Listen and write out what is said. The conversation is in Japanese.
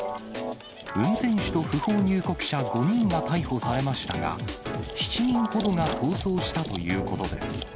運転手と不法入国者５人が逮捕されましたが、７人ほどが逃走したということです。